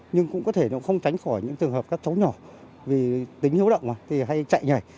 nhưng cũng có thể nó không tránh khỏi những trường hợp các cháu nhỏ vì tính hiếu động thì hay chạy nhảy